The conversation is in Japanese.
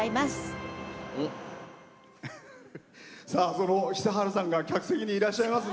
その久春さんが客席にいらっしゃいます。